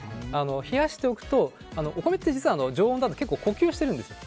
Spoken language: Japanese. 冷やしておくと、お米って実は常温だと結構呼吸してるんですよ。